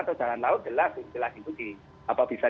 atau jalan laut jelas istilah itu bisa